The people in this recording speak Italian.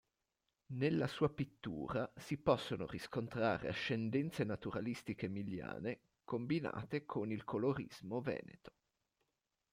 Nella sua pittura si possono riscontrare ascendenze naturalistiche emiliane combinate con il colorismo veneto.